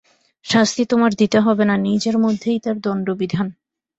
শাস্তি তোমার দিতে হবে না–নিজের মধ্যেই তার দণ্ডবিধান।